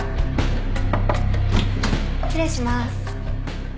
失礼します。